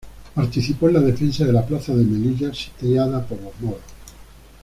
Participó en la defensa de la plaza de Melilla sitiada por los moros.